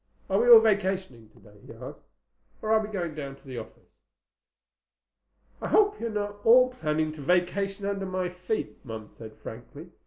"Are we all vacationing today?" he asked. "Or are we going down to the office?" "I hope you're not all planning to vacation under my feet," Mom said frankly.